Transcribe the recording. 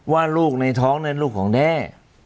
ว่าลูกในท้องนั้นลูกของแด้